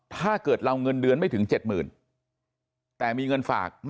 ถ้าเกิดเราเงินเดือนไม่ถึง๗หมื่น